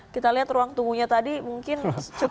kita lihat ruang tunggunya tadi mungkin cukup